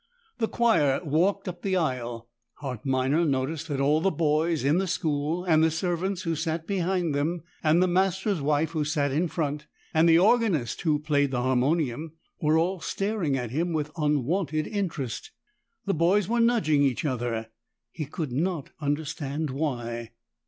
The choir walked up the aisle. Hart Minor noticed that all the boys in the school, and the servants who sat behind them, and the master's wife who sat in front, and the organist who played the harmonium, were all staring at him with unwonted interest; the boys were nudging each other: he could not understand why.